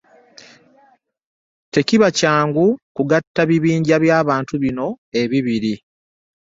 Tekiba kyangu kugatta bibinja eby'abantu bino ebibiri.